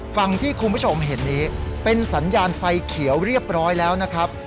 ฝั่งที่คุณผู้ชมเห็นนี้เป็นสัญญาณไฟเขียวเรียบร้อยแล้วนะครับ